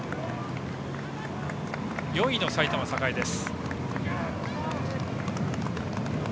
４位の埼玉栄です。